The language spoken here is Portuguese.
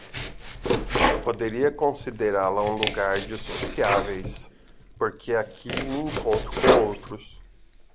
poderia considerá-la um lugar de sociáveis, porque aqui me encontro com outros.